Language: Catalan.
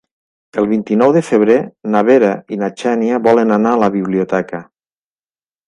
El vint-i-nou de febrer na Vera i na Xènia volen anar a la biblioteca.